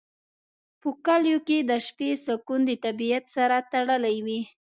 په کلیو کې د شپې سکون د طبیعت سره تړلی وي.